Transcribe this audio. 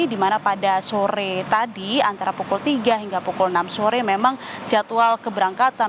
di mana pada sore tadi antara pukul tiga hingga pukul enam sore memang jadwal keberangkatan